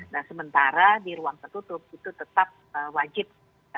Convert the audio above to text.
nah sementara di ruang tertutup itu tetap wajib